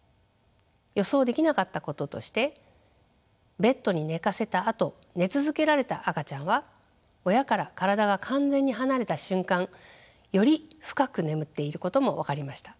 予想できなかったこととしてベッドに寝かせたあと寝続けられた赤ちゃんは親から体が完全に離れた瞬間より深く眠っていることも分かりました。